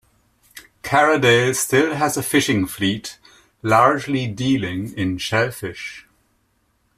Carradale still has a fishing fleet, - largely dealing in shellfish.